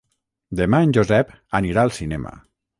Demà en Josep anirà al cinema.